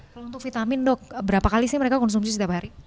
kalau untuk vitamin dok berapa kali sih mereka konsumsi setiap hari